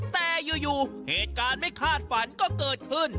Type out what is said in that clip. แต่อยู่เหตุการณ์ไม่คาดฝันก็เกิดขึ้น